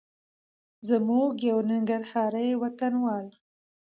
زموږ یو ننګرهاري وطنوال